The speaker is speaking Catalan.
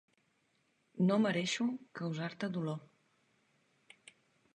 No mereixo causar-te dolor.